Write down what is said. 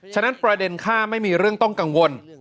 ฉะนั้นประเด็นข้าไม่มีเรื่องต้องกังวล